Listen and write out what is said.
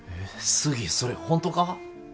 杉それホントか？